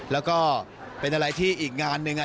แล้วก็เป็นอะไรที่อีกงานหนึ่ง